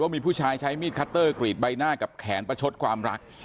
มีผู้ชายใช้มีดคัตเตอร์กรีดใบหน้ากับแขนประชดความรัก